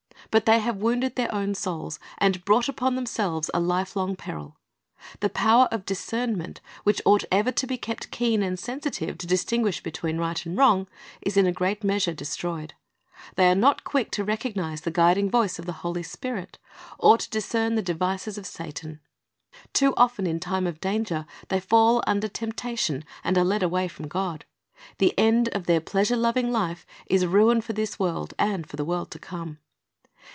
But they have wounded their own souls, and brought upon themselves a life long peril. The power of discernment, which ought ever to be kept keen and sensitive to distinguish between right and wrong, is in a great measure destroyed. They are not quick to recognize the guiding voice of the Holy Spirit, or to discern the devices of Satan. Too often in time of danger they fall under temptation, and are led away from God. The end of their pleasure loving life is ruin for this world and for the world to come.